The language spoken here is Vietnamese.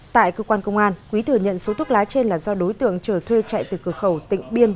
tại cơ quan công an quý thừa nhận số thuốc lá trên là do đối tượng chờ thuê chạy từ cửa khẩu tỉnh biên